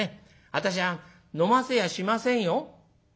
私は飲ませやしませんよ」。